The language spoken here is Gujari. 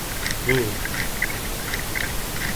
ویہ